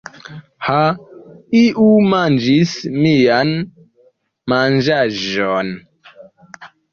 Ha, iu manĝis mian manĝaĵon!